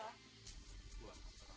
kamu tidak bisa menahan nafsu dirahim